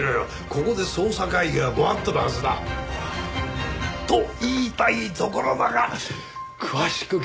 ここで捜査会議は御法度のはずだ。と言いたいところだが詳しく聞かせてくれないか？